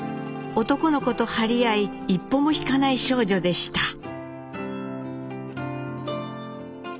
男の子と張り合い一歩も引かない少女でした。